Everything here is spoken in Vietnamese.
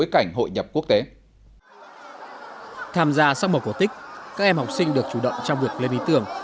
các em sẽ được chủ động trong việc lên ý tưởng